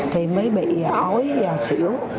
thì mới bị ối và xỉu